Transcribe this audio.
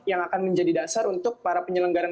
yang akan menjadi dasar untuk para penyelenggara